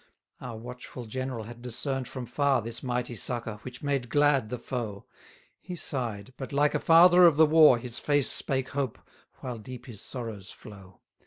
73 Our watchful general had discern'd from far This mighty succour, which made glad the foe: He sigh'd, but, like a father of the war, His face spake hope, while deep his sorrows flow.